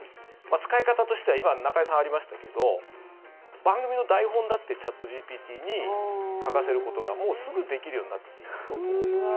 使い方としては今、中居さんからありましたけど番組の台本だってチャットＧＰＴに書かせることがもう、すぐできるようになっていくと思います。